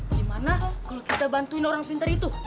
gimana kalau kita bantuin orang pintar itu